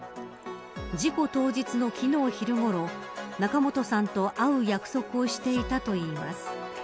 事故当日の昨日昼ごろ仲本さんと会う約束をしていたといいます。